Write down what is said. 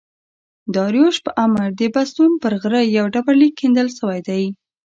داریوش په امر د بستون پر غره یو ډبر لیک کیندل سوی دﺉ.